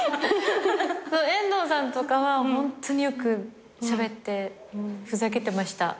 遠藤さんとかはホントによくしゃべってふざけてました。